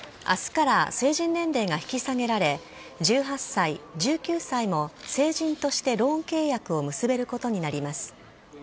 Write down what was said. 明日から成人年齢が引き下げられ１８歳、１９歳も成人としてローン契約を結べることになります。